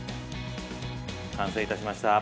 完成いたしました。